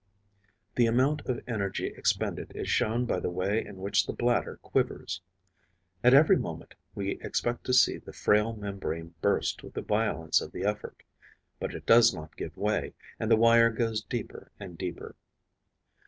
The amount of energy expended is shown by the way in which the bladder quivers. At every moment we expect to see the frail membrane burst with the violence of the effort. But it does not give way; and the wire goes deeper and deeper.